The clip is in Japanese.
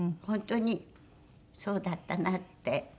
本当にそうだったなって。